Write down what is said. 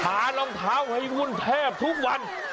รองเท้าให้วุ่นแทบทุกวัน